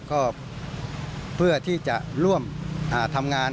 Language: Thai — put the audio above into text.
ก็เพื่อที่จะร่วมทำงาน